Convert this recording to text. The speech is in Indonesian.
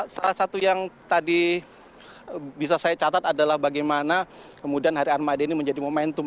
salah satu yang tadi bisa saya catat adalah bagaimana kemudian hari armada ini menjadi momentum